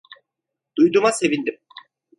Duyduğuma sevindim.